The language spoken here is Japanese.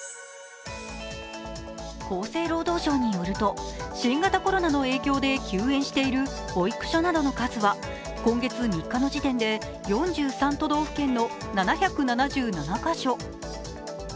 厚生労働省によると、新型コロナの影響で休園している保育所などの数は今月３日の時点で４３都道府県の７７７カ所。